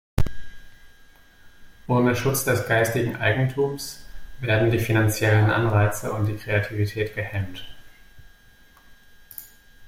Ohne Schutz des geistigen Eigentums werden die finanziellen Anreize und die Kreativität gehemmt.